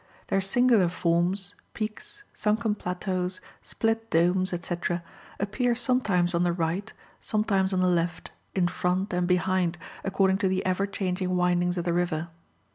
Their singular forms, peaks, sunken plateaus, split domes, etc. appear sometimes on the right, sometimes on the left, in front, and behind, according to the ever changing windings of the river.